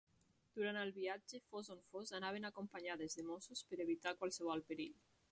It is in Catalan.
Durant el viatge, fos on fos, anaven acompanyades de mossos per evitar qualsevol perill.